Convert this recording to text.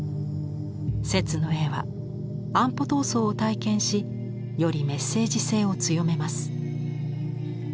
摂の絵は安保闘争を体験しよりメッセージ性を強めます。